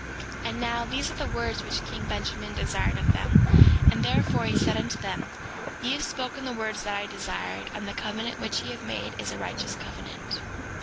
5:6 And now, these are the words which king Benjamin desired of them; and therefore he said unto them: Ye have spoken the words that I desired; and the covenant which ye have made is a righteous covenant.